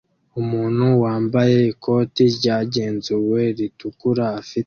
Umuntu wambaye ikoti ryagenzuwe ritukura afite